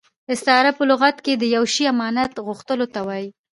استعاره په لغت کښي د یوه شي امانت غوښتلو ته وايي.